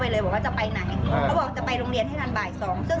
เค้าบอกจะไปโรงเรียนให้การบ่ายซอง